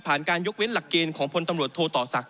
การยกเว้นหลักเกณฑ์ของพลตำรวจโทต่อศักดิ